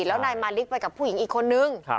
แล้วนายมาริกไปกับผู้หญิงอีกคนนึง